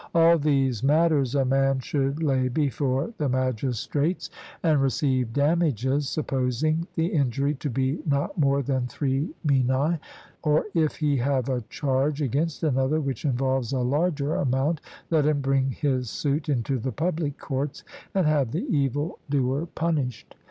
All these matters a man should lay before the magistrates, and receive damages, supposing the injury to be not more than three minae; or if he have a charge against another which involves a larger amount, let him bring his suit into the public courts and have the evil doer punished.